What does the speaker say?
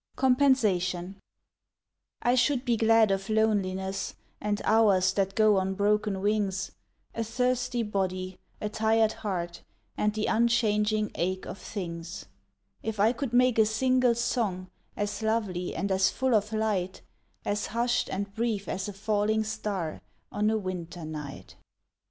Compensation I should be glad of loneliness And hours that go on broken wings, A thirsty body, a tired heart And the unchanging ache of things, If I could make a single song As lovely and as full of light, As hushed and brief as a falling star On a winter night.